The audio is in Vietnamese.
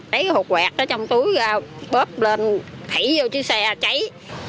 đấy cái hộp quạt đó trong túi ra bóp lên thảy vô chiếc xe cháy